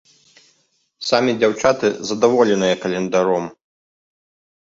Самі дзяўчаты задаволеныя календаром.